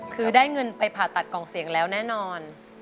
คือได้เงินไปผ่าตัดกล่องเสียงแล้วแน่นอน